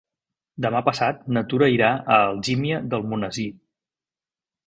Demà passat na Tura irà a Algímia d'Almonesir.